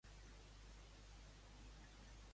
Amb qui coincideix Velvet?